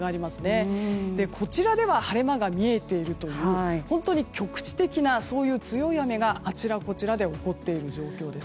そして、こちらでは晴れ間が見えているという本当に局地的な強い雨があちらこちらで起こっている状況です。